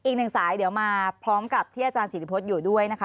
อีกหนึ่งสายเดี๋ยวมาพร้อมกับที่อาจารย์ศิริพฤษอยู่ด้วยนะคะ